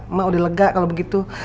emang udah lega kalau begitu